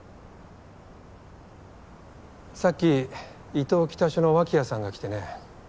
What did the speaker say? さっき伊東北署の脇谷さんが来てね。